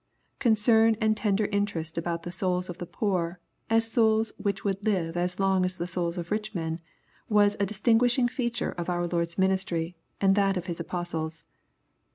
Concern and tender inter est about the souls of the poor, as souls which would Hvo as long as the souls of rich men, was a distinguishing feature of our Lord's ministry, and of that of His apostles.